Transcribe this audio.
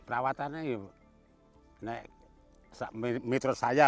raya dan raya yang dikonsumsi oleh rakyat